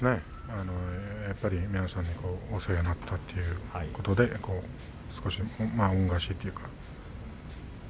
やっぱりお世話になったということで少し恩返しという。